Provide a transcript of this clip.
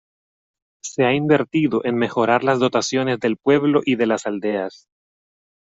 Se ha invertido en mejorar las dotaciones del pueblo y de las aldeas.